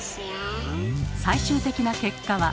最終的な結果は？